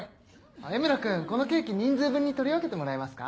江村君このケーキ人数分に取り分けてもらえますか？